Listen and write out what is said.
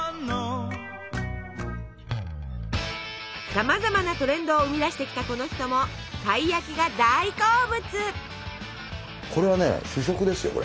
さまざまなトレンドを生み出してきたこの人もたい焼きが大好物！